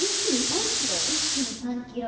一気に３キロ？